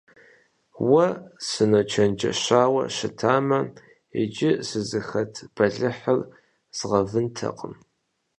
Уэ сыночэнджэщауэ щытамэ, иджы сызыхэт бэлыхьыр згъэвынтэкъым.